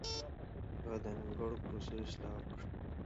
هغه د نيمګړو پروسو اصلاح وکړه.